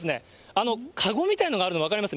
あのかごみたいのがあるの分かります？